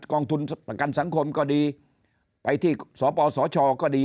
องทุนประกันสังคมก็ดีไปที่สปสชก็ดี